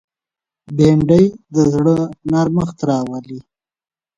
بېنډۍ د زړه نرمښت راولي